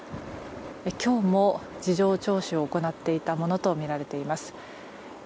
今日も事情聴取を行っていたものとみられています。